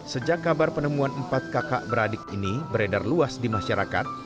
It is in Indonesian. sejak kabar penemuan empat kakak beradik ini beredar luas di masyarakat